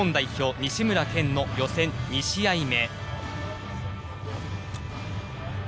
西村拳の予選２試合目。